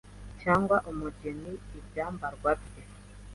cyangwa umugeni ibyambarwa bye